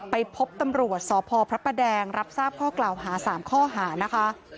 ไปพบตำรวจสพพระประแดงรับทราบข้อกล่าวหา๓ข้อหานะคะ